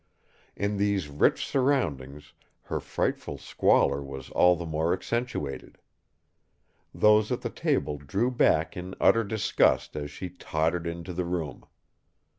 In these rich surroundings her frightful squalor was all the more accentuated. Those at the table drew back in utter disgust as she tottered into the room.